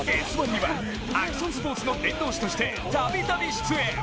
「Ｓ☆１」には、アクションスポーツの伝道師として度々出演。